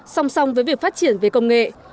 song song với việc phát triển về công nghệ